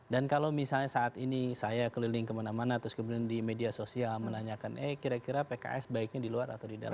dan kalau misalnya saat ini saya keliling kemana mana terus kemudian di media sosial menanyakan eh kira kira pks baiknya di luar atau di dalam